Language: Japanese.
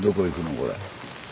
これ。